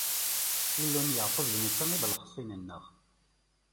Illu n Yeɛqub, d netta i d leḥṣin-nneɣ.